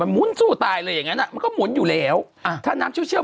หมุนสู้ตายเลยอย่างนั้นอ่ะมันก็หมุนอยู่แล้วอ่าถ้าน้ำเชี่ยว